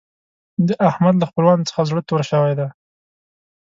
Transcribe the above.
د احمد له خپلوانو څخه زړه تور شوی دی.